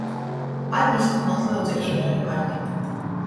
Atnesit mums, lyudzu, iedīņu karti!